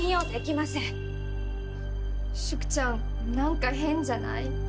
淑ちゃんなんか変じゃない？